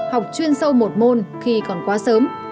học chuyên sâu một môn khi còn quá sớm